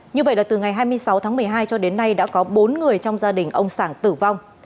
như vậy là từ ngày hai mươi sáu tháng một mươi hai cho đến nay đã có bốn người trong gia đình ông sảng tử vong